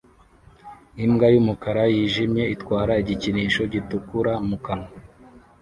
Imbwa y'umukara n'iyijimye itwara igikinisho gitukura mu kanwa